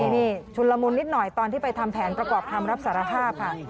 นี่ชุนละมุนนิดหน่อยตอนที่ไปทำแผนประกอบคำรับสารภาพค่ะ